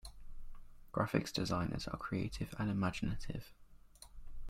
Graphics designers are creative and imaginative.